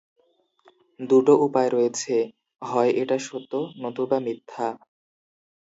দুটো উপায় রয়েছে: হয় এটা সত্য নতুবা মিথ্যা।